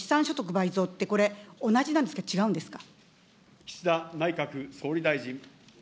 倍増って、これ、同じなんですか、違うんですか。